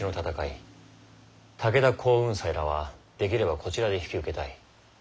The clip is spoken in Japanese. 武田耕雲斎らはできればこちらで引き受けたい。